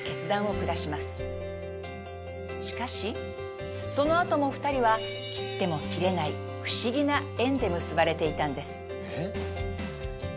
しかしそのあとも２人は切っても切れない不思議な縁で結ばれていたんです。